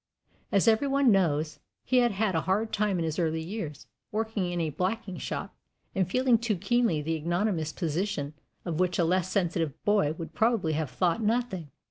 As every one knows, he had had a hard time in his early years, working in a blacking shop, and feeling too keenly the ignominious position of which a less sensitive boy would probably have thought nothing.